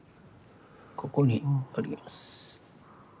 ここにおります。